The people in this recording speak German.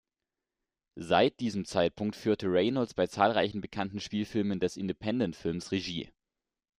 Seit diesem Zeitpunkt führte Reynolds bei zahlreichen bekannten Spielfilmen des Independentfilms Regie.